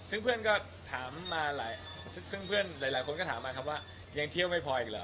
ซึ่งเพื่อนหลายคนก็ถามมาครับว่ายังเที่ยวไม่พออีกเหรอ